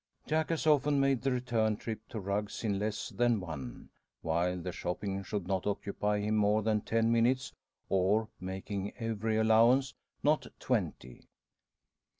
Jack has often made the return trip to Rugg's in less than one, while the shopping should not occupy him more than ten minutes, or, making every allowance, not twenty.